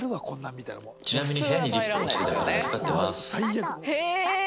「ちなみに部屋にリップ落ちてたから預かってまーす」